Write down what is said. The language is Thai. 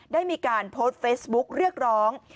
ได้มีการโพสต์เฟซบุ๊กเรียกร้อง